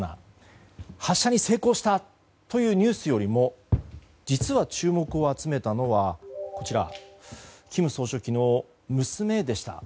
発射に成功したというニュースよりも実は、注目を集めたのは金総書記の娘でした。